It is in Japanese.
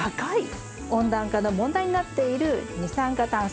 温暖化の問題になっている二酸化炭素